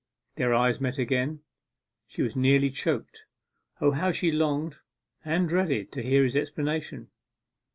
Their eyes met again. She was nearly choked. O, how she longed and dreaded to hear his explanation!